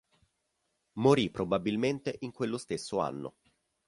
Morì probabilmente in quello stesso anno.